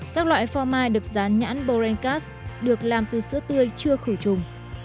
các loại phò mai được dán nhãn borenkas được làm từ sữa tươi chưa khử trùng